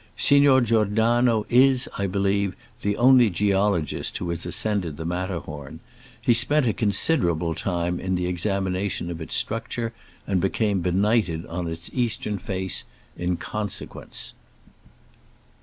Signor Giordano is, I believe, the only geologist who has ascended the Matterhom. He spent a consider able time in the examination of its structure, and be came benighted on its eastern face in consequence.